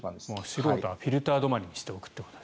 素人はフィルター止まりにしておくと。